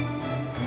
aku mau jalan